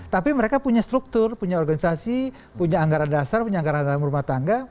tapi mereka punya struktur punya organisasi punya anggaran dasar punya anggaran dalam rumah tangga